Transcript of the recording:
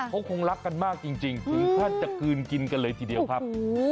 เขาคงรักกันมากจริงถึงขั้นจะกลืนกินกันเลยทีเดียวครับ